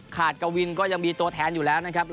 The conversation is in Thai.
กวินก็ยังมีตัวแทนอยู่แล้วนะครับ